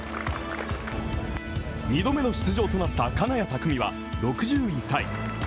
２度目の出場となった金谷拓実は６０位タイ。